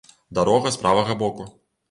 Дарога з правага боку.